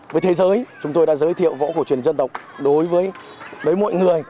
với thế giới chúng tôi đã giới thiệu võ cổ truyền dân tộc đối với mọi người